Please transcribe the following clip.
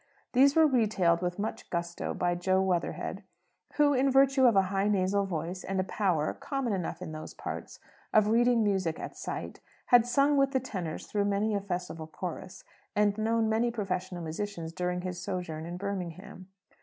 These were retailed with much gusto by Jo Weatherhead, who, in virtue of a high nasal voice, and a power (common enough in those parts) of reading music at sight, had sung with the tenors through many a Festival chorus, and known many professional musicians during his sojourn in Birmingham.